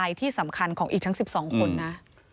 ที่สำคัญของอีกทั้ง๑๒คนนะ